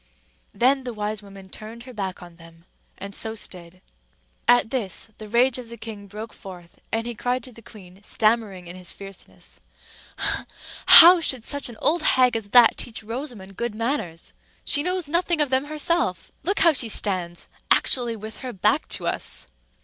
Then the wise woman turned her back on them, and so stood. At this, the rage of the king broke forth; and he cried to the queen, stammering in his fierceness,— "How should such an old hag as that teach Rosamond good manners? She knows nothing of them herself! Look how she stands!—actually with her back to us."